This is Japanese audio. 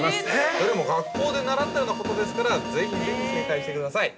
どれも学校で習ったようなことですから、ぜひぜひ正解してください。